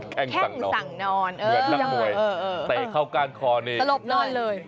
แข้งสั่งนอนเหมือนนั่งหน่วยเตะเข้าก้านคอเนี่ย